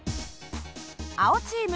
青チーム。